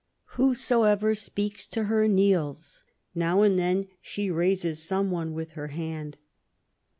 Whosoever speaks to her kneels ; now and then she raises some one with her hand.